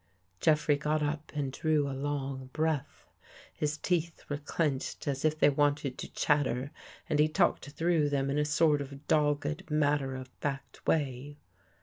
*' Jeffrey got up and drew a long breath. His teeth were clenched as if they wanted to chatter and he talked through them in a sort of dogged matter of fact way.